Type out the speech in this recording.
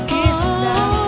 kuyakin kau tahu